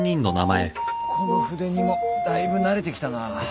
この筆にもだいぶ慣れてきたな。